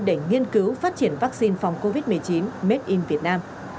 để nghiên cứu phát triển vaccine phòng covid một mươi chín made in việt nam